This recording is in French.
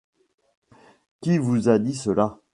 Qui vous a dit cela ?